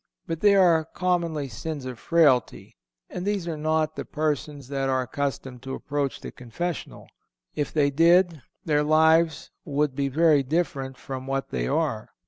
But they are commonly sins of frailty, and these are not the persons that are accustomed to approach the confessional. If they did their lives would be very different from what they are.